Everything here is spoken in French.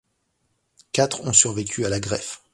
Quatre ont survécu à la greffe.